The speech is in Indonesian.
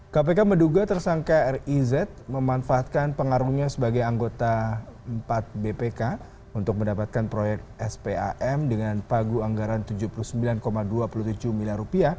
kpk menduga tersangka riz memanfaatkan pengaruhnya sebagai anggota empat bpk untuk mendapatkan proyek spam dengan pagu anggaran rp tujuh puluh sembilan dua puluh tujuh miliar